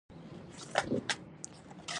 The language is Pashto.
د کورنیو خدماتو لپاره ساتل کېدل.